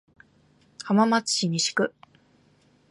浜松市西区